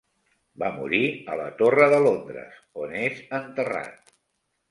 Va morir a la Torre de Londres, on és enterrat.